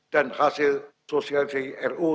dan hasil sosialisasi ruu